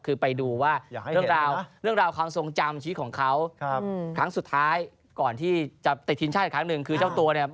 คือก็กลับไปดูว่าเรื่องราว